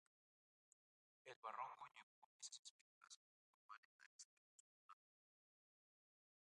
El Barroco llevó esas especulaciones formales a extremos notables.